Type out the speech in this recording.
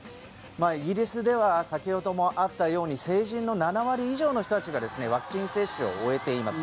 イギリスでは先ほどもあったように成人の７割以上の人たちがワクチン接種を終えています。